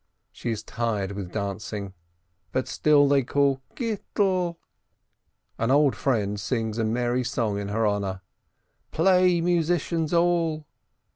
She is tired with dancing, but still they call "Gittel"! An old friend sings a merry song in her honor. "Play, musicians all